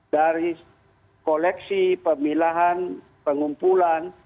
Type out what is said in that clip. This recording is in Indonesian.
dari koleksi pemilahan pengumpulan